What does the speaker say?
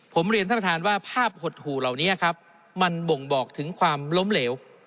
ผมเรียนท่านประธานว่าภาพหดหู่เหล่านี้ครับมันบ่งบอกถึงความล้มเหลว